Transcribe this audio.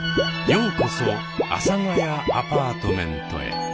ようこそ「阿佐ヶ谷アパートメント」へ。